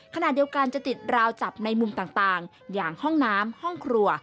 ขณะเดียวกันจะติดราวจับในมุมต่างอย่างห้องน้ำห้องครัว